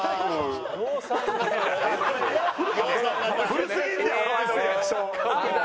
古すぎんねんお前のリアクション。